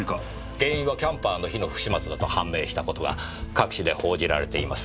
原因はキャンパーの火の不始末だと判明した事が各紙で報じられています。